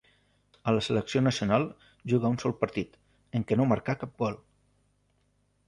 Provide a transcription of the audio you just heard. A la selecció nacional jugà un sol partit, en què no marcà cap gol.